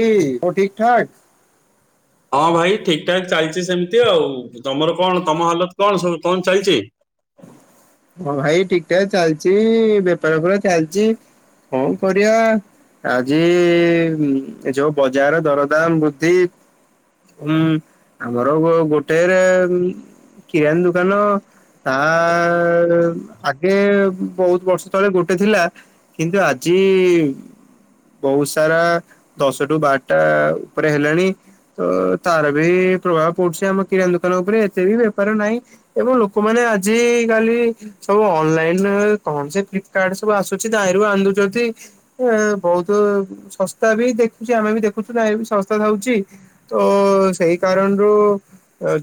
କି, ସବୁ ଠିକ ଠାକ? ହଁ ଭାଇ, ଠିକ ଠାକ୍ ଚାଲିଚି ସେମିତି ଆଉ। ତମର କଣ ତମ ହାଲତ କଣ ସବୁ କଣ ଚାଲିଚି? ହଁ ଭାଇ ଠିକ ଠାକ ଚାଲିଚି, ବେପାର ଫେପାର ଚାଲଚି କଣ କରିଆ ଆଜି ଏ ଯୋଉ ବଜାର ଦରଦାମ ବୃଦ୍ଧି ଉମ୍ ଆମର ଗୋ-ଗୋଟେଇରେ କିରାନୀ ଦୋକାନ ତାହା ଆଗେ ବହୁତ ବର୍ଷ ର୍ଷ ତଳେ ଗୋଟେ ଥିଲା, କିନ୍ତୁ ଆଜି ବହୁତ ସାରା ଦଶଠୁ ବାରଟା ଉପରେ ହେଲାଣି ତ ତାର ବି ପ୍ରଭାବ ପଡୁଛି ଆମ କିରାଣୀ ଦୋକାନ ଉପରେ, ଏତେ ବି ବେପାର ନାହିଁ ଏବଂ ଲୋକ ମୋର ଆଜି କାଲି ସବୁ ଅନଲାଇନ କଣ ସେ ଫ୍ଲିପକାର୍ଟ ସବୁ ଆସୁଛି ତାହିଁରୁ ଆଣ ଦୋଉଛନ୍ତି। ଏ ବହୁତ ଶସ୍ତା ବି ଦେଖୁଛି ଆମେ ବି ଦେଖୁଛୁ ନା ଏ ବି ଶସ୍ତା ଥାଉଛି ତ ସେଇ କାରଣରୁ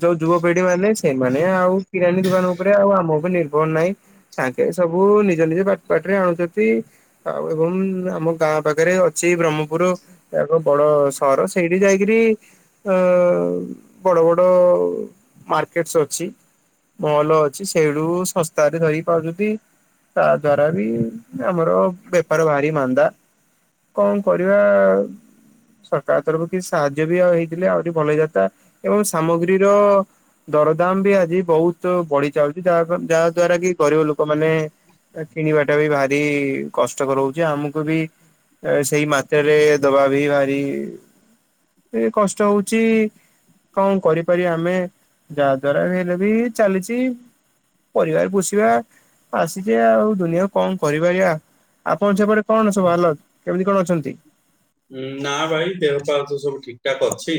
ଯୋଉ ଯୁବପିଢି ମାନେ ସେମାନେ ଆଉ କିରାଣୀ ଦୋକାନ ଉପରେ ଆଉ ଆମ ଉପରେ ନିର୍ଭର ନାହିଁ। ତାଙ୍କେ ସବୁ ନିଜ ନିଜ ପାଟିରେ ଆଣୁଛନ୍ତି। ଆଉ ଏବଂ ଆମ ଗାଁ ପାଖରେ ଅଛି ବ୍ରହ୍ମପୁର ତା ଏକ ବଡ ସହର ସେଇଠି ଯାଇକରି ଅ ବଡ ବଡ ମାର୍କେଟସ୍ ଅଛି। ମହଲ ଅଛି ସେଇଠୁ ଶସ୍ତାରେ ଧରିକି ପାଉଛନ୍ତି। ତା ଦ୍ଵାରା ବି ଆମର ବେପାର ଭାରି ମାନ୍ଦା କଣ କରିବା ସରକାର ତରଫରୁ କିଛି ସାହାଯ୍ୟ ବି ଆଉ ହେଇଥିଲେ ଆହୁରି ଭଲ ହେଇଯାତା ଏବଂ ସାମଗ୍ରୀର ଦରଦାମ ବି ଆଜି ବହୁତ ବଢି ଯାଉଛି ଯହା ଯାହା ଦ୍ଵାରା କି ଗରିବ ଲୋକମାନେ କିଣିବାଟା ବି ଭାରି କଷ୍ଟକ ରଉଛି ଆମକୁ ବି ସେଇ ମାତ୍ରରେ ଦବା ବି ଭାରି ଏ କଷ୍ଟ ହଉଚି କଣ କରିପାରିବା ଆମେ ଯାହା ଦ୍ଵାରା ହେଲେ ବି ଚାଲିଛି ପରିବାର ପୋଷିବା ଆସିଛେ ଆଉ ଦୁନିଆ କଣ କରିପାରିବା। ଆପଣ ସେପଟେ କଣ ସବୁ ଆଲତ କେମିତି କଣ ଅଛନ୍ତି? ଉଁ ନା ଭାଇ ଦେହ ପା ତ ସବୁ ଠିକ ଠାକ ଅଛି।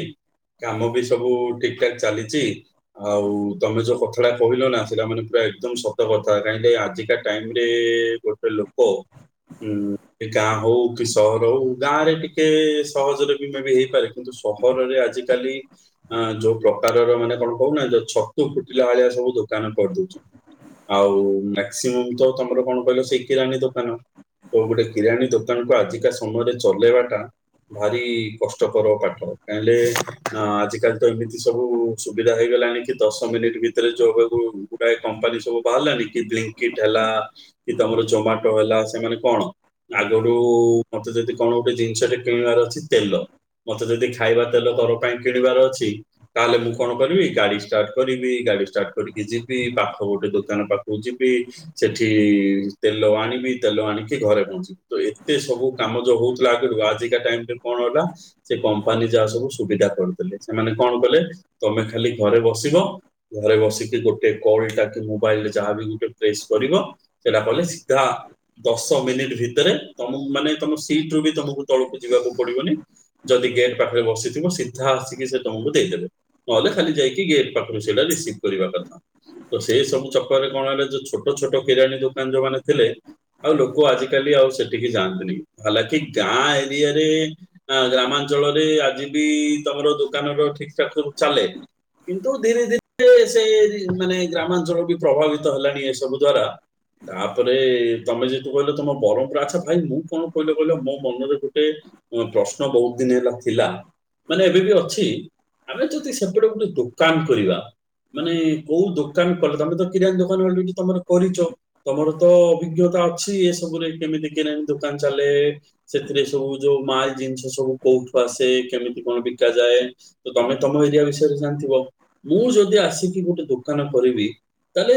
କାମ ବି ସବୁ ଠିକ ଠାକ ଚାଲିଛି। ଆଉ ତମେ ଯୋଉ କଥାଟା କହିଲ ନା ସେଟା ମାନେ ପୁରା ଏକଦମ ସତ କଥା କାହିଁକି ଆଜିକା ଟାଇମରେ ଗୋଟେ ଲୋକ ଉଁ ଗାଁ ହଉ କି ସହର ହଉ ଗାଁରେ ଟିକେ ସହଜରେ ବୀମା ବି ହେଇପାରେ କିନ୍ତୁ ସହରରେ ଆଜିିକାଲି ଆ ଯୋଉ ପ୍ରକାରର ମାନେ କଣ କହୁନା ଯୋଉ ଛତୁ ଫୁଟିଲା ଭଳିଆ ସବୁ ଦୋକାନ କରିଦଉଛନ୍ତି। ଆଉ ମ୍ୟାକ୍ସିମମ୍ ତ ତମର କଣ କହିଲ ସେଇ କିରାଣୀ ଦୋକାନ। କୋଉ ଗୋଟେ କିରାଣୀ ଦୋକାନକୁ ଆଜିକା ସମୟରେ ଚଲେଇବା ଟା ଭାରି କଷ୍ଟକର ପାଠ କାହିଁଲେ ନା ଆଜିକାଲି ତ ଏମିତି ସବୁ ସୁବିଧା ହେଇଗଲାଣି କି ଦଶ ମିନିଟ୍ ଭିତରେ ଯୋଉ ଗୁଡାଏ କମ୍ପାନୀ ସବୁ ବାହାରିଲାଣି କି [unintelligible] ହେଲା କି ତମର ଜମାଟୋ ହେଲା ସେମାନେ କଣ ଆଗରୁ ମତେ ଯଦି କଣ ଗୋଟେ ଜିନିଷଟେ କିଣିବାର ଅଛି ତେଲ ମତେ ଯଦି ଖାଇବା ତେଲ ଘର ପାଇଁ କିଣିବାର ଅଛି ତାହେଲେ ମୁଁ କଣ କରିବି ଗାଡି ଷ୍ଟାର୍ଟ କରିବି ଗାଡି ଷ୍ଟାର୍ଟ କରିକି ଯିବି ପାଖ ଗୋଟେ ଦୋକାନ ପାଖକୁ ଯିବି ସେଠି ତେଲ ଆଣିବି ତେଲ ଆଣିକି ଘରେ ପହଞ୍ଚିବି ତ ଏତେ ସବୁ କାମ ଯୋଉ ହଉଛି ଆଜିକା ଟାଇରେ କଣ ହେଲା ସେ କମ୍ପାନୀ ଯାହା ସବୁ ସୁବିଧା କରିଦେଲେ ସେମାନେ କଣ କଲେ ତମେ ଖାଲି ଘରେ ବସିବ ଘରେ ବସିକି ଗୋଟେ କଲ ଟା କି ମୋବାଇଲରେ ଯାହାବି ଗୋଟେ ପ୍ରେସ୍ କରିବ ସେଇଟା କଲେ ସିଧା ଦଶ ମିନିଟ ଭିତରେ ତମ ମାନେ ତମ ସିଟ ରୁ ବି ତମକୁ ତଳକୁ ଯିବାକୁ ପଡିବନି ଯଦି ଗେଟ୍ ପାଖରେ ବସିଥିବ ସିଧା ଆସିକି ସେ ତମକୁ ଦେଇଦେବେ। ନହେଲେ ଖାଲି ଯାଇକି ଗେଟ୍ ପାଖରୁ ସେଇଟା ରିସିଭ୍ କରିବା କଥା। ତ ସେଇ ସବୁ ଚକରରେ କଣ ହେଲେ ଯୋଉ ଛୋଟ ଛୋଟ କିରାଣୀ ଦୋକାନ ଯୋଉମାନେ ଥିଲେ ଆଉ ଲୋକ ଆଜିକାଲି ଆଉ ସେଠିକି ଯାଆନ୍ତିନି ହଲାକି ଗାଁ ଏରିଆରେ ଆ ଗ୍ରାମାଞ୍ଚଳରେ ଆଜି ବି ତମର ଦୋକାନ ର ଠିକ ଠାକ ସବୁ ଚାଲେ। କିନ୍ତୁ ଧୀରେ ଧୀରେ ସେ ମାନେ ଗ୍ରାମାଞ୍ଚଳ ବି ପ୍ରଭାବିତ ହେଲାଣି ଏସବୁ ଦ୍ଵାରା ତାପରେ ତମେ ଜେହେତୁ କହିଲ ତମ ବ୍ରହ୍ମପୁର ଆଚ୍ଛା ଭାଇ ମୁଁ କଣ କହିଲ କହିଲ ମୋ ମନରେ ଗୋଟେ ପ୍ରଶ୍ନ ବହୁତ ଦିନ ହେଲା ଥିଲା ମାନେ ଏବେ ବି ଅଛି ଆମେ ଯଦି ସେପଟେ ଗୋଟେ ଦୋକାନ କରିବା ମାନେ କୋଉ ଦୋକାନ କଲ ତମେ ତ କିରାଣୀ ଦୋକାନ ଅଲରେଡି ତମର କରିଛ ତମର ତ ଅଭିଜ୍ଞତା ଅଛି ଏ ସବୁରେ କେମିତି କିରାଣି ଦୋକାନ ଚାଲେ ସେଥିରେ ସବୁ ଯୋଉ ମାଲ ଜିନିଷ ସବୁ କୋଉଠୁ ଆସେ କେମିତି କଣ ବିକ ଯାଏ? ତ ତମେ ତମ ଏରିଆ ବିଷୟରେ ଜାଣିଥିବ ମୁଁ ଯଦି ଆସିକି ଗୋଟେ ଦୋକାନ କରିବି। ତାହେଲେ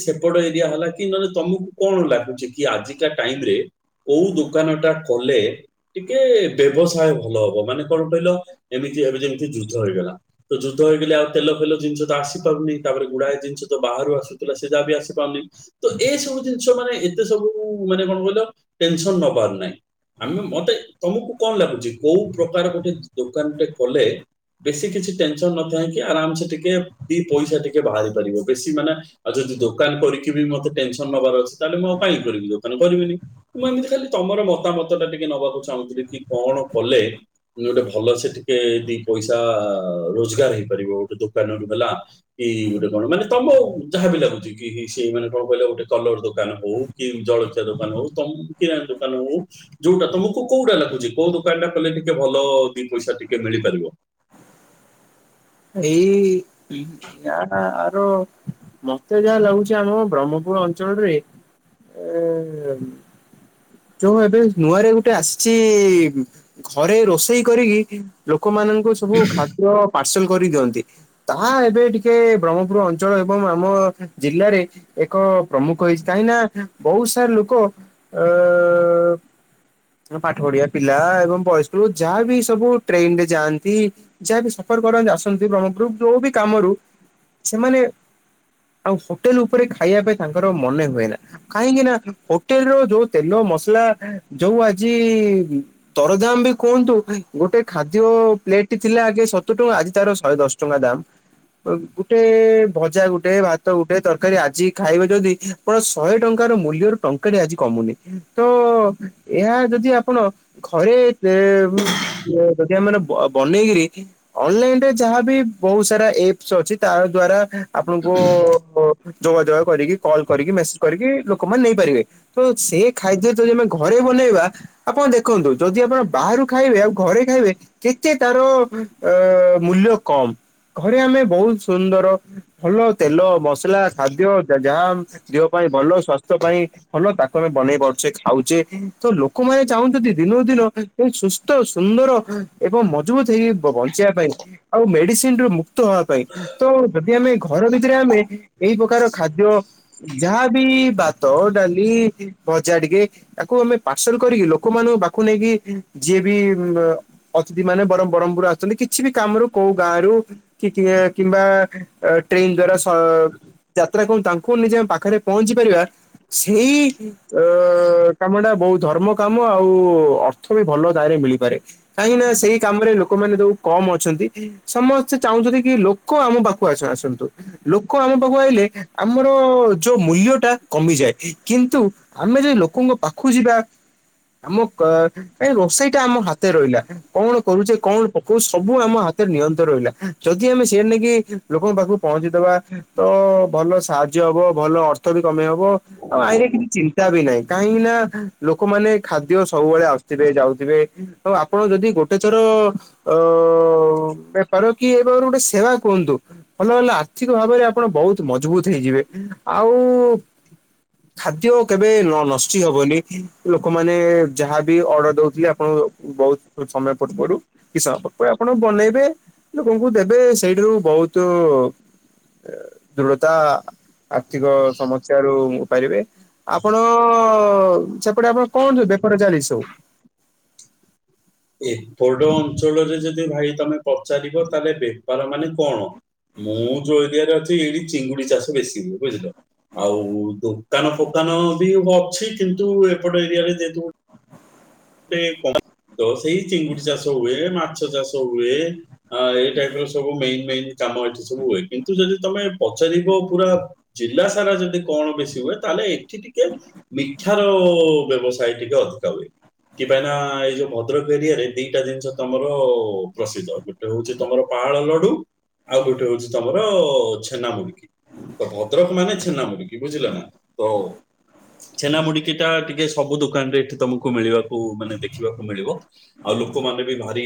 ସେପଡ ଏରିଆ ହେଲା କି ନହେଲେ ତମକୁ କଣ ଲାଗୁଚି କି ଆଜିକା ଟାଇମ ରେ କୋଉ ଦୋକାନ ଟା କଲେ ଟିକେ ବ୍ୟବସାୟ ଭଲ ହବ ମାନେ କଣ କହିଲ ଏମିତି ଏବେ ଯେମିତି ଯୁଦ୍ଧ ହେଇଗଲା। ତ ଯୁଦ୍ଧ ହେଇଗଲେ ଆଉ ତେଲ ଫେଲ ଜିନିଷ ତ ଆସି ପାରୁନି। ତାପରେ ଗୁଡାଏ ଜିନିଷ ତ ବାହାରୁ ଆସୁଥିଲା ସେ ଯା ବି ଆସିପାରୁନି। ତ ଏସବୁ ଜିନିଷ ମାନେ ଏତେ ସବୁ ମାନେ କଣ କହିଲ ଟେନସନ ନବାର ନାହିଁ। ଆମେ ମତେ ତମକୁ କଣ ଲାଗୁଚି କୋଉ ପ୍ରକାର ଗୋଟେ ଦୋକାନଟେ କଲେ ବେଶୀ କିଛି ଟେନସନ ନଥାଇଁ କିି ଆରାମସେ ଟିକେ ଦିଇ ପଇସା ଟିକେ ବାହାରି ପାରିବ ବେଶୀ ମାନେ ଆଉ ଯଦି ଦୋକାନ କରିକି ବି ମତେ ଟେନସନ ନବାର ଅଛି ତାହେଲେ ମୁଁ ଆଉ କାହିଁକି କରିବି ଦୋକାନ କରିବିନି। ମୁଁ ଏମିତି ଖାଲି ତମର ମତାମତ ଟା ଟିକେ ନବାକୁ ଚାହୁଁଥିଲି କି କଣ କଲେ ଗୋଟେ ଭଲ ସେ ଟିକେ ଦିଇ ପଇସା ରୋଜଗାର ହେଇପାରିବ ଗୋଟେ ଦୋକାନ ରୁ ହେଲା। ଏଇ ଗୋଟେ କଣ ମାନେ ତମ ଯାହାବ ବି ଲାଗୁଛି କି ସେଇ ମାନେ କଣ କହିଲ ଗୋଟେ କଲର ଦୋକାନ ହୋଉ। କି ଜଳଖିଆ ଦୋକାନ ହୋଉ ତମ କିରାଣ ଦୋକାନ ହୋଉ। ଯୋଉଟା ତମକୁ କୋଉଟା ଲାଗୁଛି କୋଉ ଦୋକାନ ଟା କଲେ ଟିକେ ଭଲ ଦିଇ ପଇସା ଟିକେ ମିଳିପାରିବ? ଏଇ ୟା ଆର ମତେ ଯାହା ଲାଗୁଛି ଆମ ବ୍ରହ୍ମପୁର ଅଞ୍ଚଳରେ ଏ ଯୋଉ ଏବେ ନୂଆରେ ଗୋଟେ ଆସିଛି ଘରେ ରୋଷେଇ କରିକି ଲୋକମାନଙ୍କ ବୁ ସବୁ ଖାଦ୍ୟ ପାର୍ସଲ କରି ଦିଅନ୍ତି। ତାହା ଏବେ ଟିକେ ବ୍ରହ୍ମପୁର ଅଞ୍ଚଳ ଏବଂ ଆମ ଜିଲ୍ଲାରେ ଏକ ପ୍ରମୁଖ ହେଇଛି କାହିଁକି ନା ବୋହୁତ ସାରା ଲୋକ ଆ ପାଠ ପଢଆ ପିଲା ଏବଂ ବୟସ୍କୃ ଯାହାବି ସବୁ ଟ୍ରେନରେ ଯାଆନ୍ତି। ଯାହାବି ସଫର କରନ୍ତି ଆସନ୍ତି ବ୍ରହ୍ମଗ୍ରୁପ ଯୋଉ ବି କାମରୁ ସେମାନେ ଆଉ ହୋଟେଲ ଉପରେ ଖାଇବା ପାଇଁ ତାଙ୍କର ମନେ ହୁଏ ନା। କାହିଁକି ନା ହୋଟେଲ ର ଯୋଉ ତେଲ ମସଲା ଯୋଉ ଆଜି ଦରଦାମ ବି କୁହନ୍ତୁ ଗୋଟେ ଖାଦ୍ୟ ପ୍ଲେଟଟି ଥିଲା ଆଗେ ସତୁଟୁ ଆଜି ତାର ଶହେ ଦଶ ଚଙ୍ଗା ଦାମ। ଗୋଟେ ଭଜା ଗୋଟେ ଭାତ ଗୋଟେ ତରକାରୀ ଆଜି ଖାଇବେ ଯଦି ପ ଶହେ ଟଙ୍କାର ମୂଲ୍ୟରୁ ଟଙ୍କାଟି ଆଜି କମୁନି। ତ ଏହା ଯଦି ଆପଣ ଘରେ ଏମ୍ [inaudible] ଯଦି ଆମେମାନେ ବ୍ ବନେଇକିରି ଅନଲାଇନ ରେ ଯାହାବି ବୋହୁତ ସାରା ଏପ୍ସ ଅଛି ତା ଦ୍ଵାରା ଆପଣଙ୍କୁ ଯୋଗାଯୋଗ କରିକି କଲ୍ କରିକି ମେସେଜ କରିକି ଲୋକମାନୋନ ନେଇପାରିବେ ତ ସେ ଖାଦ୍ୟ ଯଦି ଆମେ ଘରେ ବନେଇବା। ଆପଣ ଦେଖନ୍ତୁ ଯଦି ଆପଣ ବାହାରୁ ଖାଇବେ ଆଉ ଘରେ ଖାଇବେ କେତେ ତାର ଅ ମୂଲ୍ୟ କମ ଘରେ ଆମେ ବୋହୁତ ସୁନ୍ଦର ଭଲ ତେଲ ମସଲା ଖାଦ୍ୟ ଜାଜାମ। ଦେହ ପାଇଁ ଭଲ ସ୍ୱାସ୍ଥ୍ୟ ପାଇଁ ଭଲ ତାକୁ ଆମେ ବନେଇ ପାରୁ ସେ ଖାଉଚେ ତ ଲୋକମାନେ ଚାହୁଁଛନ୍ତି ଦିନକୁ ଦିନ ସୁସ୍ଥ ସୁନ୍ଦର ଏବଂ ମଜବୁତ୍ ହେଇକି ବଞ୍ଚିବା ପାଇଁ। ଆଉ ମେଡିସିନରୁ ମୁକ୍ତ ହବା ପାଇଁ ତ ଯଦି ଆମେ ଘର ଭିତରେ ଆମେ ଏହି ପ୍ରକାର ଖାଦ୍ୟ ଯାହାବି ଭାତ, ଡାଲି, ଭ ଜା ଟିକେ ତାକୁ ଆମେ ପାର୍ସଲ କରିକି ଲୋକମାନଙ୍କୁ ପାଖକୁ ନେଇକି ଯିଏ ବି ଅତିଥି ମାନେ ବର ବ୍ରହ୍ମପୁର ଆସୁଛନ୍ତି କିଛି ବି କାମରୁ କୋଉ ଗାଁରୁ କି କି କିମ୍ବା ଟ୍ରେନ୍ ଦ୍ଵାରା ସ ଯାତ୍ରା କ ତାଙ୍କୁ ନିଜେ ଆମ ପାଖରେ ପହଞ୍ଚି ପାରିବା ସେଇ ଅ କାମ ଟା ବୋହୁତ ଧର୍ମ କାମ ଆଉ ଅର୍ଥ ବି ଭଲ ଦାୟରେ ମିଳିପାରେ। କାହିଁକି ନା ସେଇ କାମରେ ଲୋକମାନେ ଯୋଉ କମ ଅଛନ୍ତି। ସମସ୍ତେ ଚାହୁଁଛନ୍ତି କି ଲୋକ ଆମ ପାଖକୁ ଆସ ଆସ ନ୍ତୁ ଲୋକ ଆମ ପାଖକୁ ଆଇଲେ ଆମର ଯୋଉ ମୂଲ୍ୟ ଟା କମିଯାଏ କିନ୍ତୁ ଆମେ ଯଦି ଲୋକଙ୍କ ପାଖକୁ ଯିବା ଆମ କ ରୋଷେଇ ଟା ଆମ ହାତରେ ରହିଲା। କଣ କରୁଚେ କଣ ପକୋଉ ସବୁ ଆମ ହାତରେ ନିୟନ୍ତ୍ର ରହିଲା। ଯଦି ଆମେ ସେଆଡ଼େ ନେଇକି ଲୋକଙ୍କ ପାଖକୁ ପହଞ୍ଚେଇଦବା ତ ଭଲ ସାହାଯ୍ୟ ହବ ଭଲ ଅର୍ଥ ଅର୍ଥ ବି କମେଇ ହବ ଆଉ ଆଇରେ କିଛି ଚିହ ନାଇଁ କାହିଁକି ନା ଲୋକମାନେ ଖାଦ୍ୟ ସବୁବେଳେ ଆସୁଥିବେ ଯାଉଥିବେ ଆଉ ଆପଣ ଯଦି ଗୋଟେ ଚର ଅ ବେପାର କି ଏ ଭାବରେ ଗୋଟେ ସେବା କୁହନ୍ତୁ। ଭଲ ହେଲେ ଆର୍ଥିକ ଭାବରେ ଆପଣ ବହୁତ ମଜବୁତ ହେଇଯିବେ ଆଉ। ଖାଦ୍ୟ କେବେ ନଷ୍ଟି ହବନି ଲୋକମାନେ ଯାହାବି ଅର୍ଡର ଦଉଥିଲେ ଆପଣ ବହୁତ ସମୟ ପୂର୍ବରୁ କିଛି ସମୟ ପରେ ଆପଣ ବନେଇବେ ଲୋକଙ୍କୁ ଦେବେ ସେଇଠାରୁ ବୋହୁତ ଦୃଢତା ଆ ଆର୍ଥିକ ସମସ୍ୟା ରୁ ପାରିବେ ଆପଣ ସେପଟେ ଆପଣ କଣ ସବୁ ବେପାର ଚାଲିଚି ସବୁ ଏପଟ ଅଞ୍ଚଳରେ ଯଦି ଭାଇ ତମେ ପଚାରିବ ତାହେଲେ ବେପାର ମାନେ କଣ। ମୁଁ ଯୋଉ ଏରିଆରେ ଅଛି ଏଇଠି ଚିଙ୍ଗୁଡି ଚାଷ ବେଶୀ ହୁଏ ବୁଝିଲ। ଆଉ ଦୋକାନ ଫୋକାନ ବି ଅଛି କିନ୍ତୁ ଏପଟ ଏରିଆ ରେ ଯେହେତୁ ସେ କଣ [unintelligible] ତ ସେଇ ଚିଙ୍ଗୁଡି ଚାଷ ହୁଏ ମାଛ ଚାଷ ହୁଏ ଏଇ ଟାଇପ ର ସବୁ ମେନ ମେନ୍ କାମ ଏଠି ସବୁ ହୁଏ କିନ୍ତୁ ଯଦି ତମେ ପଚାରିବ ପୁରା ଜିଲ୍ଲା ସାରା ଯଦି କଣ ବେଶି ହୁଏ ତାହେଲେ ଏଠି ଟିକେ ମିଠା ର ବ୍ୟବସାୟ ଟିକେ ଅଧିକା ହୁଏ କିପାଇ ନା ଏଇ ଯୋଉ ଭଦ୍ରକ ଏରିଆରେ ଦିଟା ଜିନିଷ ତମର ପ୍ରସିଦ୍ଧ ଗୋଟେ ହଉଛି ତମର ପାହାଳ ଲଡୁ ଆଉ ଗୋଟେ ହଉଛି ତମର ଛେନା ମୁୁଡୁକି। ତ ଭଦ୍ରକ ମାନେ ଛେନା ମୁଡିକି ବୁଝିଲଲେ ନା ତ ଛେନା ମୁଡିକି ଟା ଟିକେ ସବୁ ଦୋକାନ ରେ ଏଠି ତମକୁ ମିଳିବାକୁ ମାନେ ଦେଖିବାକୁ ମିଳିବ। ଆଉ ଲୋକମାନେ ବି ଭାରି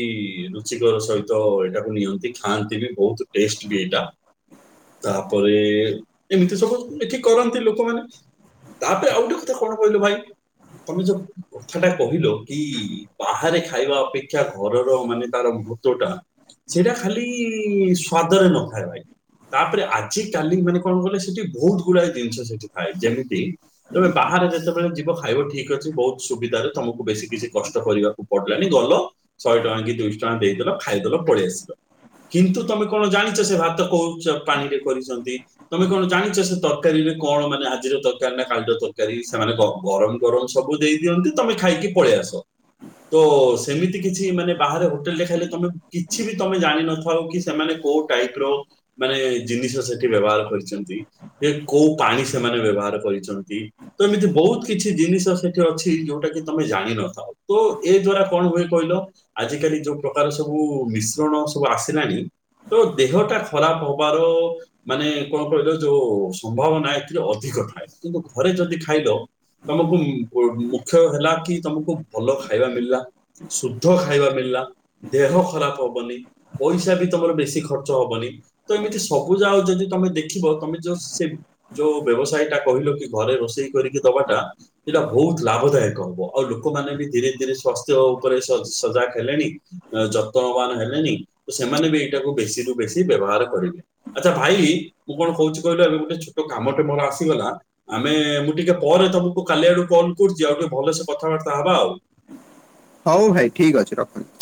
ରୁଚିକର ସହିତ ଏଇଟାକୁ ନିଅନ୍ତି ଖାଆନ୍ତି ବି ବହୁତ। ଟେଷ୍ଟ ବି ଏଇଟା। ତାପରେ ଏମିତି ସବୁ ଏଠି କରନ୍ତି ଲୋକମାନେ। ତାପରେ ଆଉ ଗୋଟେ କଥା କଣ କହିଲ ଭାଇ ତମେ ଯୋଉ କଥାଟା କହିଲ କି ବାହାରେ ଖାଇବା ଅପେକ୍ଷା ଘରର ମାନେ ତାର ମହତ୍ୱ ଟା। ସେଇଟା ଖାଲି ସ୍ଵାଦରେ ନ ଥାଏ ଭାଇ। ତାପରେ ଆଜି କାଲି ମାନେ କଣ କହିଲ ସେଠି ବୋହୁତ ଗୁଡା ଜିନିଷ ସେଠି ଥାଏ ଯେମିତି ତେବେ ବାହାରେ ଯେତେବେଳେ ଯିବ ଖାଇବ ଠିକ ଅଛି ବୋହୁତ ସୁବିଧାରେ ତମକୁ ବେଶୀ କିଛି କଷ୍ଟ କରିବାକୁ ପଡିଲାନି ଗଲ ଶହେ ଟଙ୍କା କି ଦୁଇଶହ ଟଙ୍କା ଦେଇଦେଲ ଖାଇଦେଲ ପଳେଇ ଆସିଲ। କିନ୍ତୁ ତମେ କଣ ଜାଣିଛ ସେ ଭାତ କୋଉ ଚ ପାଣିରେ କରିଛନ୍ତି। ତମେ କଣ ଜାଣିଛ ସେ ତରକାରୀରେ କଣ ମାନେ ଆଜିର ତରକାରୀ ନା କାଲିର ତରକାରୀ ସେମାନେ ଗ ଗରମ ଗରମ ସବୁ ଦେଇ ଦିଅନ୍ତି ତମେ ଖାଇକି ପଳେଇ ଆସ। ତ ସେମିତି କିଛି ମାନେ ବାହାରେ ହୋଟେଲରେ ଖାଇଲେ ତମେ କିଛି ବି ତମେ ଜାଣିିନଥାଅ କି ସେମାନେ କୋଉଠ ମାଇପ ର ମାନେ ଜିନିଷ ସେଠି ବ୍ୟବହାର କରିଛନ୍ତି। ଯେ କୋଉ ପାଣି ସେମାନେ ବ୍ୟବହାର କରିଛନ୍ତି। ତ ଏମିତି ବୋହୁତ କିଛି ଜିନିଷ ସେଠି ଅଛି ଯୋଉଟା କି ତମେ ଜାଣିନଥାଅ। ତ ଏଇ ଦ୍ଵାରା କଣ ହୁଏ କହିଲ? ଆଜିକାଲି ଯୋଉ ପ୍ରକାର ସବୁ ମିଶ୍ରଣ ସବୁ ଆସିଲାଣି ତ ଦେହ ଟା ଖରାପ ହବାରୋ ମାନେ କଣ କହିଲ ଯୋଉ ସମ୍ଭାବନା ଏଥିରେ ଅଧିକ ଥାଏ କିନ୍ତୁ ଘରେ ଯଦି ଖାଇଲ ତମକୁ ମୁ ମୁଖ୍ୟ ହେଲା କି ତମକୁ ଭଲ ଖାଇବା ମିଳିଲା। ଶୁଦ୍ଧ ଖାଇବା ମିଳିଲା ଦେହ ଖରାପ ହବନି। ପଇସା ବି ତମର ବେଶି ଖର୍ଚ୍ଚ ହବନି। ତ ଏମିତି ସବୁ ଯାଅ ଯଦି ତମେ ଦେଖିବ ତମେ ଜଶ୍ ସେମ୍ ଯୋଉ ବ୍ୟବସାୟ ଟା କହିଲ କି ଘରେ ରୋଷେଇ କରିକି ଦବାଟା ଏଇଟା ବୋହୁତ ଲାଭଦାୟକ ହବ ଆଉ ଲୋକମାନେ ଧୀରେ ଧୀରେ ଶସ୍ୟ ଉପରେ ସ ସଜାଗ ହେଲେଣି। ଯତ୍ନବାନ ହେଲେନି ତ ସେମାନେ ବି ଏଇଟାକୁ ବେଶୀ ରୁ ବେଶୀ ବ୍ୟବହାର କରିବେ। ଆଚ୍ଛା ଭାଇ ମୁଁ କଣ କହୁଛି କହିଲ ଏବେ ଗୋଟେ ଛୋଟ କାମଟେ ମୋର ଆସିଗଲା ଆମେ-ଏ-ଏ ମୁଁ ଟିକେ ପରେ ତମକୁ କାଲି ଆଡକୁ କଲ କରୁଛି ଆଉ ଟିକେ ଭଲସେ କଥାବାର୍ତ୍ତା ହବା ଆଉ। ହଉ ଭାଇ ଠିକ୍ ଅଛି ରଖନ୍ତୁ।